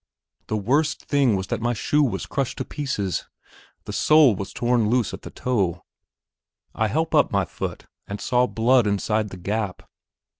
The worst thing was that my shoe was crushed to pieces; the sole was torn loose at the toe. I help up my foot, and saw blood inside the gap.